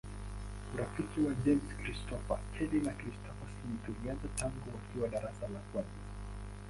Urafiki wa James Christopher Kelly na Christopher Smith ulianza tangu wakiwa darasa la kwanza.